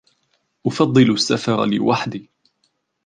أفضل السفر لوحدي.